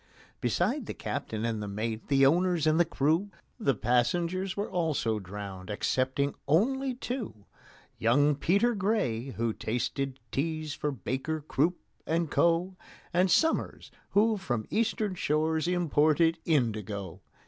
Besides the captain and the mate, the owners and the crew, The passengers were also drowned excepting only two: Young PETER GRAY, who tasted teas for BAKER, CROOP, AND CO., And SOMERS, who from Eastern shores imported indigo.